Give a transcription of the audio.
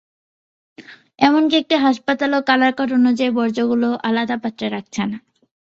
এমনকি একটি হাসপাতালও colour code অনুযায়ী বর্জ্যগুলো আলাদা পাত্রে রাখছে না।